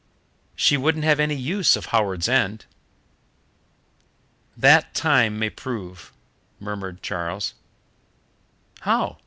She wouldn't have any use of Howards End." "That time may prove," murmured Charles. "How?"